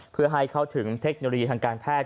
เพื่อให้เข้าถึงเทคโนโลยีทางการแพทย์